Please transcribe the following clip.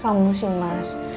kamu sih mas